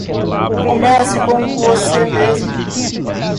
Comece com você mesmo